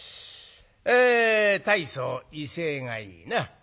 え大層威勢がいいな。